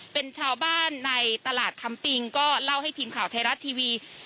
เป็นชาวบ้านในตลาดคำปิงก็เล่าให้ทีมข่าวไทยรัฐทีวี